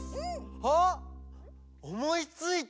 あっおもいついた！